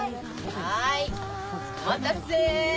はいお待たせ。